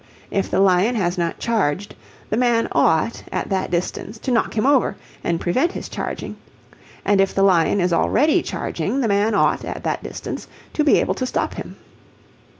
If the lion has not charged, the man ought at that distance to knock him over and prevent his charging; and if the lion is already charging, the man ought at that distance to be able to stop him.